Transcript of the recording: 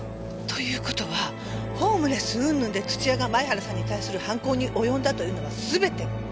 という事はホームレスうんぬんで土屋が前原さんに対する犯行に及んだというのはすべて嘘。